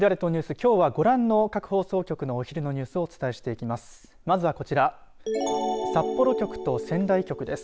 きょうはご覧の各放送局のお昼のニュースをお伝えしていきます。